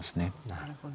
なるほど。